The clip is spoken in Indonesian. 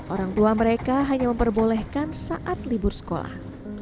orang tua mereka hanya memperbolehkan saat libur sekolah